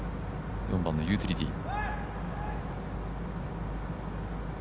４番のユーティリティー。